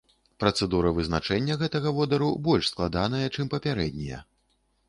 Працэдура вызначэння гэтага водару больш складаная, чым папярэднія.